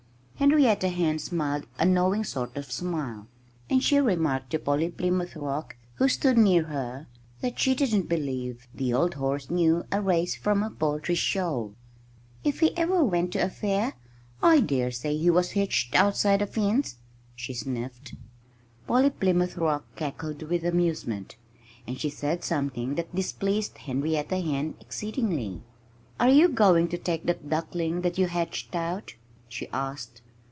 Henrietta Hen smiled a knowing sort of smile. And she remarked to Polly Plymouth Rock, who stood near her, that she didn't believe the old horse knew a race from a poultry show. "If he ever went to a fair, I dare say he was hitched outside the fence," she sniffed. Polly Plymouth Rock cackled with amusement. And she said something that displeased Henrietta Hen exceedingly. "Are you going to take that duckling that you hatched out?" she asked.